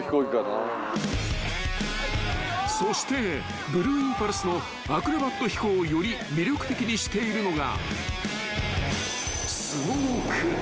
［そしてブルーインパルスのアクロバット飛行をより魅力的にしているのが］